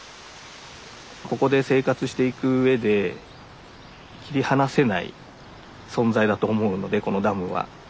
ここで生活していく上で切り離せない存在だと思うのでこのダムは。